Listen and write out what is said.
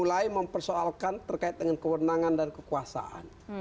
karena kita mempersoalkan terkait dengan kewenangan dan kekuasaan